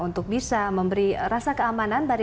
untuk bisa memberi rasa keamanan